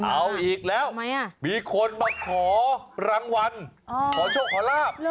เอาอีกแล้วมีคนมาขอรางวัลขอโชคขอลาบ